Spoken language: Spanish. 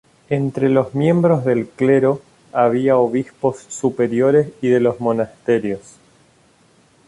Entre los miembros del clero, había obispos superiores y de los monasterios.